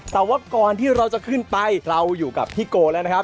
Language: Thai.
แต่ว่าก่อนที่เราจะขึ้นไปเราอยู่กับพี่โกแล้วนะครับ